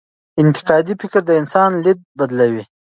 انتقادي فکر د انسان لید بدلوي.